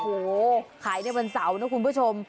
โห้เข้าใส่วันเสาร์นะคุณผู้ชม